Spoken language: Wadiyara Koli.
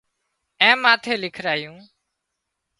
اين ماٿي لکرايون